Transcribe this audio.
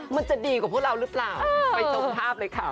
มันจะดีกว่าพวกเราหรือเปล่าไปชมภาพเลยค่ะ